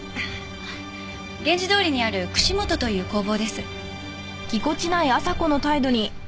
玄路通りにある串本という工房です。